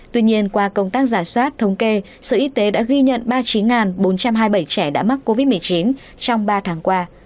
tuy nhiên qua công tác giả soát thống kê sở y tế đã ghi nhận ba mươi chín bốn trăm hai mươi bảy trẻ đã mắc covid một mươi chín trong ba tháng qua